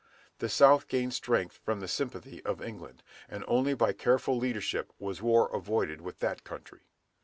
The South gained strength from the sympathy of England, and only by careful leadership was war avoided with that country.